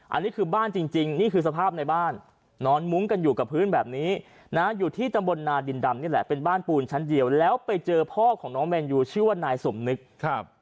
อันนี้คือบ้านจริงนี่คือสภาพในบ้านนอนมุ้งกันอยู่กับพื้นแบบนี้นะอยู่ที่ตำบลนาดินดำนี่แหละเป็นบ้านปูนชั้นเดียวแล้วไปเจอพ่อของน้องแมนยูชื่อว่านายสมนึกครับ